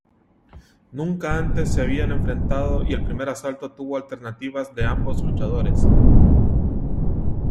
Nunca antes se habían enfrentado y el primer asalto tuvo alternativas de ambos luchadores.